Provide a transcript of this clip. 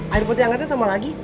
air putih hangatnya tambah lagi